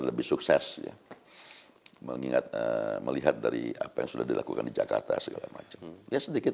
lebih sukses ya mengingat melihat melihat dari apa yang sudah dilakukan di jakarta segala macam ya sedikit